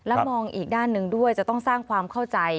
และมองอีกด้านหนึ่งด้วยจะต้องสร้างความเข้าใจ